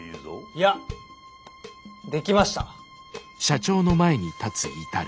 いやできました。